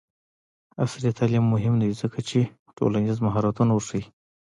عصري تعلیم مهم دی ځکه چې ټولنیز مهارتونه ورښيي.